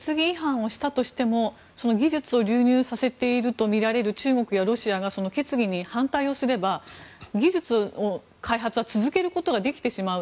技術を流入させているとみられる中国やロシアが決議に反対をすれば技術の開発を続けることができてしまう。